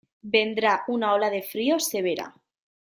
Vendrá una ola de frío severa.